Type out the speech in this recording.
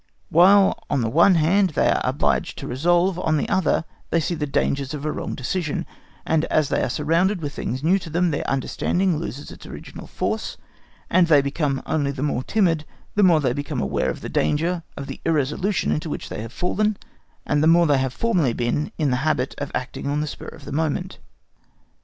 While, on the one hand, they are obliged to resolve, on the other they see the dangers of a wrong decision, and as they are surrounded with things new to them, their understanding loses its original force, and they become only the more timid the more they become aware of the danger of the irresolution into which they have fallen, and the more they have formerly been in the habit of acting on the spur of the moment.